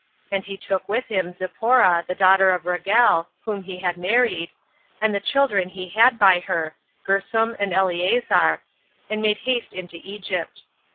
And he took with him Zipporah, the daughter of Raguel, whom he had married, and the children he had by her, Gersom and Eleazer, and made haste into Egypt.